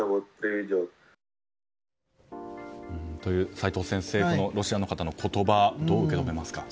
齋藤先生、ロシアの方の言葉どう受け止めますか？